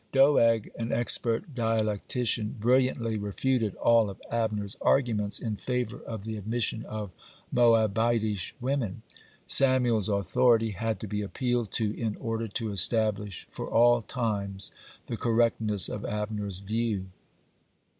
Doeg, an expert dialectician, brilliantly refuted all of Abner's arguments in favor of the admission of Moabitish women. Samuel's authority had to be appealed to in order to establish for all times the correctness of Abner's view.